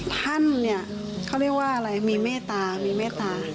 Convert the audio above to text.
ท่านเนี่ยเขาเรียกว่าอะไรมีเมตตามีเมตตา